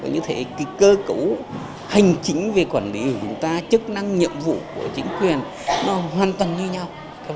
như thế cơ cấu hành chính về quản lý của chúng ta chức năng nhiệm vụ của chính quyền nó hoàn toàn như nhau